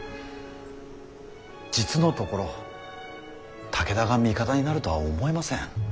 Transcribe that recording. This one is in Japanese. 実のところ武田が味方になるとは思えません。